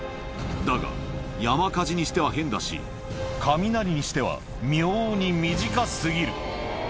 だが、山火事にしては変だし、雷にしては妙に短すぎる。